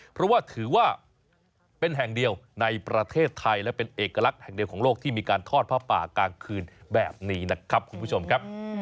เพราะว่าถือว่าเป็นแห่งเดียวในประเทศไทยและเป็นเอกลักษณ์แห่งเดียวของโลกที่มีการทอดผ้าป่ากลางคืนแบบนี้นะครับคุณผู้ชมครับ